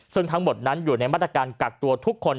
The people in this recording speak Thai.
ซึ่งทั้งหมดนั้นอยู่ในมาตรการกักตัวทุกคน